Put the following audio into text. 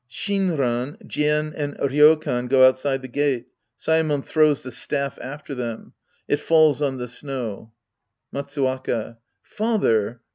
(Shinran, Jien and Ryokan go outside the gate. Saemon throtvs the staff after them. It falls on the snow.) Matsuwaka. Father!